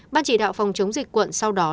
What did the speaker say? ban chỉ đạo phòng chống dịch quận sau đó đã nói rằng